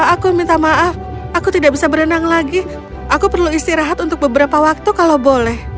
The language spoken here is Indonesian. aku minta maaf aku tidak bisa berenang lagi aku perlu istirahat untuk beberapa waktu kalau boleh